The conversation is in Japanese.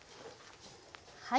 はい。